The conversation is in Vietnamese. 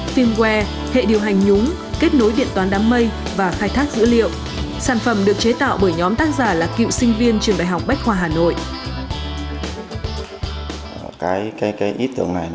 phim web hệ điều hành nhúng kết nối điện toán đám mây và khai thác dữ liệu sản phẩm được chế tạo bởi nhóm tác giả là cựu sinh viên trường đại học bách khoa hà nội